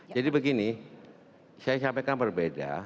jadi begini saya sampaikan berbeda